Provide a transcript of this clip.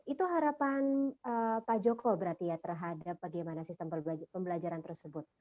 itu harapan pak joko berarti ya terhadap bagaimana sistem pembelajaran tersebut